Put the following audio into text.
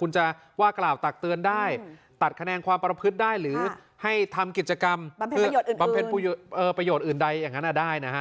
คุณจะว่ากล่าวตักเตือนได้ตัดแขนงความประพฤติได้หรือให้ทำกิจกรรมประโยชน์อื่นได้นะครับ